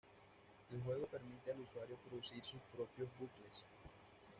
El juego permite al usuario producir sus propios bucles.